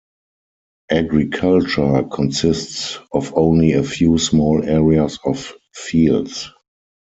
Agriculture consists of only a few small areas of fields.